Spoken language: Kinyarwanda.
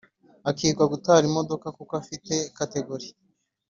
Akiga gutwara imodoka kuko afite category